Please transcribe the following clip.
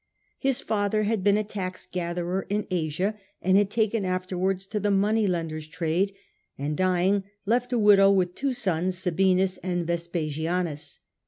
His father had been a tax gatherer in Asia, and had taken afterwards to the money lendePs trade, and dying left a widow with two sons, Sabinus and Vespasianus.